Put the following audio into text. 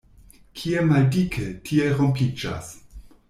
Kie maldike, tie rompiĝas.